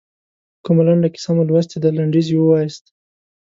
کومه لنډه کیسه مو لوستلې ده لنډیز یې ووایاست.